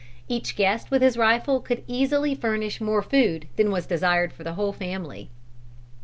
Each guest with his rifle could easily furnish more food than was desired for the whole family.